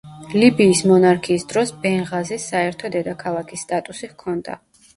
ლიბიის მონარქიის დროს ბენღაზის საერთო დედაქალაქის სტატუსი ჰქონდა.